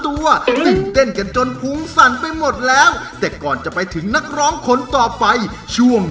ตัวตื่นเต้นกันจนพุงสั่นไปหมดแล้วแต่ก่อนจะไปถึงนักร้องคนต่อไปช่วง